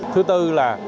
thứ tư là